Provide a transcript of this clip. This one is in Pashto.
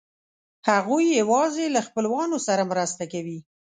هغوی یواځې له خپلوانو سره مرسته کوي.